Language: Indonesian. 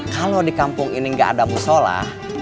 kalau di kampung ini gak ada musyola